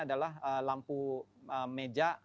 adalah lampu meja